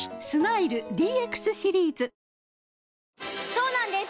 そうなんです